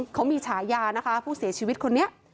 เขามีฉายานะคะผู้เสียชีวิตคนนี้